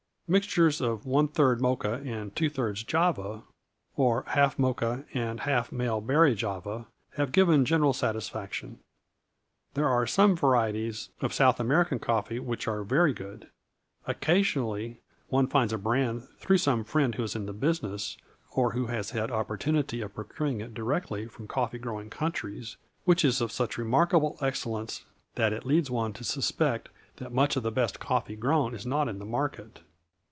Mixtures of one third Mocha and two thirds Java, or half Mocha and half male berry Java, have given general satisfaction. There are some varieties of South American coffee which are very good. Occasionally one finds a brand, through some friend who is in the business, or who has had opportunity of procuring it directly from coffee growing countries, which is of such remarkable excellence that it leads one to suspect that much of the best coffee grown is not in the market.